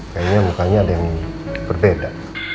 kayaknya mukanya ada yang berbeda